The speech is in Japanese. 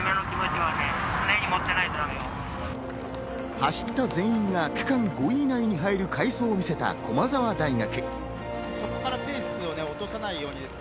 走った全員が区間５位以内に入る快走を見せた駒澤大学。